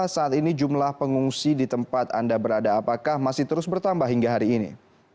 saat ini jumlah pengungsi di tempat anda berada apakah masih terus bertambah hingga hari ini